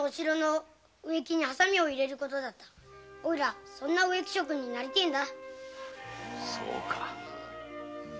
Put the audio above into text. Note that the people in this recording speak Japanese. おいらそんな植木職になりてぇんだ